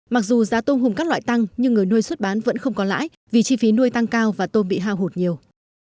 mặc dù giá tôm hùm các loại tăng nhưng người nuôi xuất bán vẫn không có lãi vì chi phí nuôi tăng cao và tôm bị hao hụt nhiều